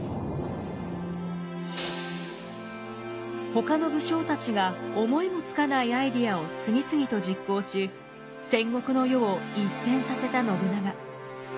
ほかの武将たちが思いもつかないアイデアを次々と実行し戦国の世を一変させた信長。